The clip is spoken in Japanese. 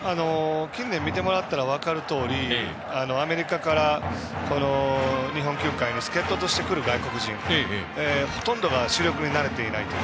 近年を見てもらったら分かるとおりアメリカから日本球界に助っ人として来る外国人のほとんどが主力になれていない。